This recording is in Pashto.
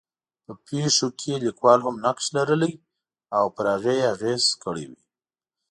په پېښو کې لیکوال هم نقش لرلی او پر هغې یې اغېز کړی وي.